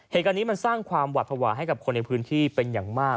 เหตุการณ์นี้มันสร้างความหวัดภาวะให้กับคนในพื้นที่เป็นอย่างมาก